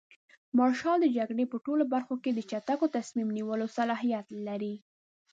مارشال د جګړې په ټولو برخو کې د چټک تصمیم نیولو صلاحیت لري.